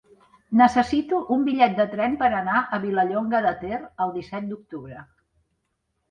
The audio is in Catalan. Necessito un bitllet de tren per anar a Vilallonga de Ter el disset d'octubre.